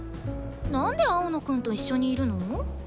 なんで青野くんと一緒にいるの？